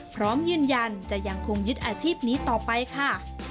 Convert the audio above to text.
พร้อมยืนยันจะยังคงยึดอาชีพนี้ต่อไปค่ะ